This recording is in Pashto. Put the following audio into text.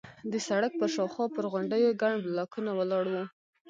د سړک پر شاوخوا پر غونډیو ګڼ بلاکونه ولاړ وو.